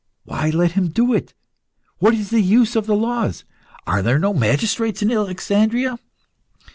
Why let him do it? What is the use of the laws? Are there no magistrates in Alexandria?